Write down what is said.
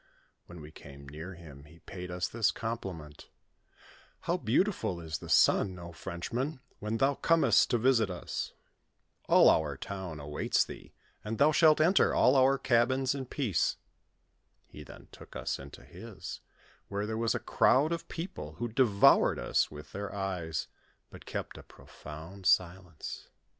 When we came near him, he paid us this compliment :" How beautiful is the sun, O Frenchman, when thou comest to visit us ! All our town awaits thee, and thou shalt enter all our cabins in peace." He then took us into his, where there was a crowd of people, who devoured us with their eyes, but kept a profound silence.